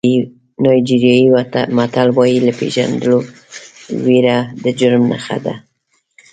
نایجیریایي متل وایي له پېژندلو وېره د جرم نښه ده.